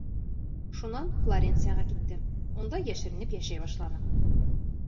Шунан Флоренцияға киттем, унда йәшеренеп йәшәй башланым.